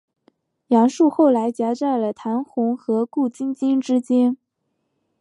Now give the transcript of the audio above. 杨树后来夹在了唐红和顾菁菁之间。